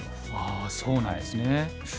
ああそうなんですね。